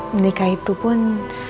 menikah itu pun